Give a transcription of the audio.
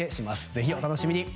ぜひ、お楽しみに。